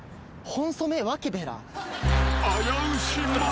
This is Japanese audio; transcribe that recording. ホンソメワケベラ。